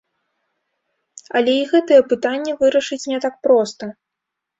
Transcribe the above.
Але і гэтае пытанне вырашыць не так проста.